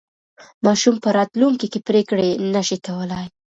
ماشوم په راتلونکي کې پرېکړې نه شي کولای.